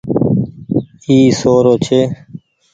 اي سو رو ڇي۔